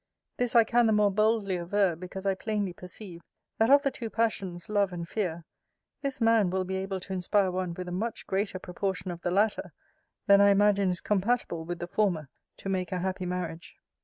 This I can the more boldly aver, because I plainly perceive, that of the two passions, love and fear, this man will be able to inspire one with a much greater proportion of the latter, than I imagine is compatible with the former, to make a happy marriage.